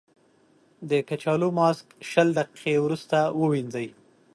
د کچالو ماسک شل دقیقې وروسته ووينځئ.